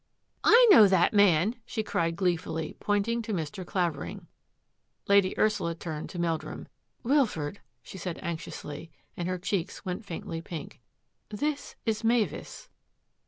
" I know that man !" she cried gleefully, point ing to Mr. Clavering. Lady Ursula turned to Meldrum. " Wilfred,'* she said anxiously, and her cheeks went faintly pink, " this is Mavis."